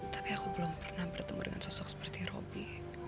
tapi aku belum pernah bertemu dengan sosok seperti roby